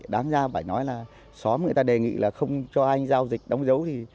đáng ra phải nói là xóm người ta đề nghị là không cho ai giao dịch đóng dấu